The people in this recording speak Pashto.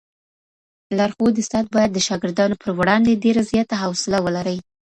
لارښود استاد باید د شاګردانو پر وړاندې ډېره زیاته حوصله ولري.